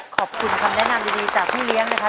ขอบคุณคำแนะนำดีจากพี่เลี้ยงนะครับ